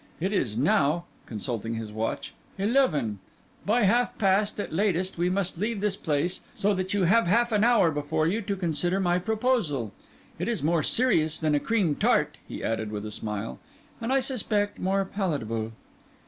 It is now (consulting his watch) eleven; by half past, at latest, we must leave this place; so that you have half an hour before you to consider my proposal. It is more serious than a cream tart," he added, with a smile; "and I suspect more palatable."